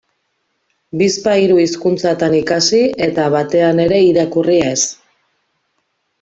Bizpahiru hizkuntzatan ikasi eta batean ere irakurri ez.